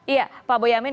iya pak bu nyamin